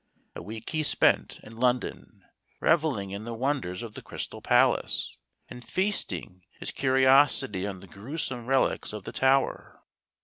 A week he spent in London, revelling in the wonders of the Crystal Palace and feasting his curiosity on the gruesome relics of the Tower.